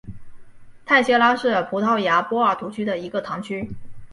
泰谢拉是葡萄牙波尔图区的一个堂区。